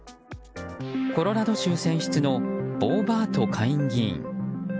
コロラド州選出のボーバート下院議員。